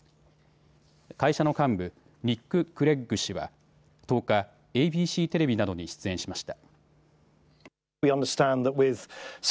会社の幹部、ニック・クレッグ氏は１０日、ＡＢＣテレビなどに出演しました。